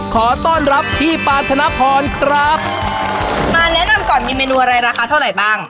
ขอต้อนรับพี่ปานธนพรครับมาแนะนำก่อนมีเมนูอะไรราคาเท่าไหร่บ้าง